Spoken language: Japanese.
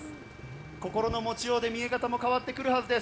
心の持ち様で見え方も変わってくるはずです。